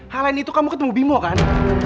hal lain itu kamu ketemu bimo kan